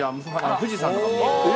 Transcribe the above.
富士山とかも。